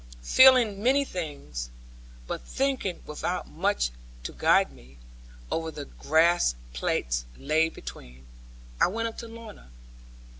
Feeling many things, but thinking without much to guide me, over the grass plats laid between, I went up to Lorna.